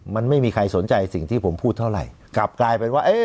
มันไม่มีใครสนใจสิ่งที่ผมพูดเท่าไหร่กลับกลายเป็นว่าเอ๊ะ